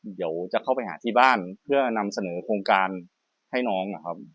เดี๋ยวจะเข้าไปหาที่บ้านเพื่อนำเสนอโครงการให้น้องนะครับ